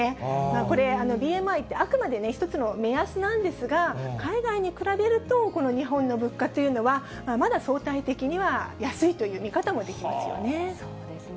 これ、ＢＭＩってあくまで一つの目安なんですが、海外に比べると、この日本の物価というのは、まだ相対的には安いという見方もできますよね。